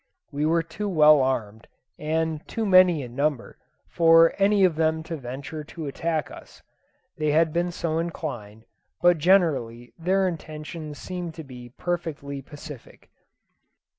We were too well armed, and too many in number, for any of them to venture to attack us, had they been so inclined; but generally their intentions seemed to be perfectly pacific.